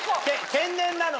天然なのか。